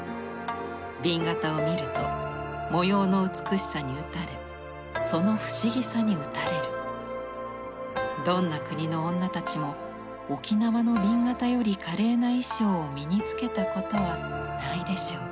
「紅型を見ると模様の美しさに打たれ其の不思議さに打たれるどんな国の女達も沖縄の紅型より華麗な衣裳を身につけたことはないでしょう」。